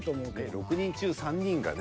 ６人中３人がね